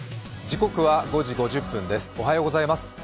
時刻は５時５０分です、おはようございます。